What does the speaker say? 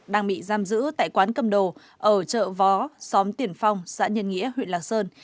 đang bị giam giữ tại quán cầm đồ ở chợ vó xóm tiền phong xã nhân nghĩa huyện lạc sơn